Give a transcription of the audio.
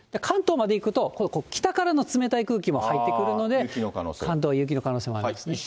関東までいくと北からの冷たい空気が入ってくるので、関東は雪の可能性ありますね。